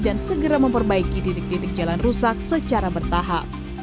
dan segera memperbaiki titik titik jalan rusak secara bertahap